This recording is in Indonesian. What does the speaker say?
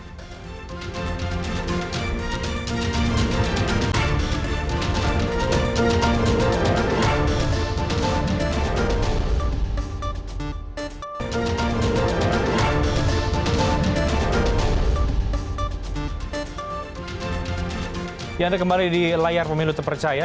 yang terakhir kembali di layar pemilu terpercaya